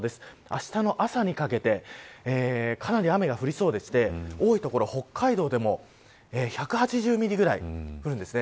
あしたの朝にかけてかなり雨が降りそうで多い所、北海道でも１８０ミリぐらい降るんです。